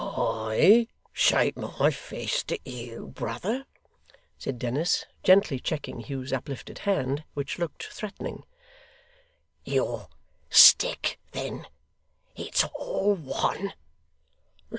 'I shake my fist! at you, brother!' said Dennis, gently checking Hugh's uplifted hand, which looked threatening. 'Your stick, then; it's all one.